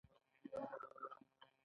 دا د معلوماتو او حساباتو تحلیل دی.